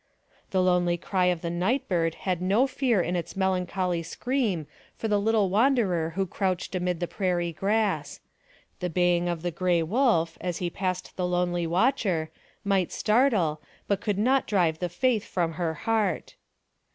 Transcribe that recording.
The lonely cry of the night bird had no fear in its melancholy scream for the little wanderer who crouched amid the prairie grass. The baying of the gray wolf, 48 NARRATIVE OF CAPTIVITY as he passed the lonely watcher, might startle, but could not drive the faith from her heart.